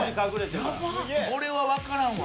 これは分からんわ。